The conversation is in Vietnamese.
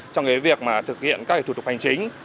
trong cái việc mà thực hiện các thủ tục hành chính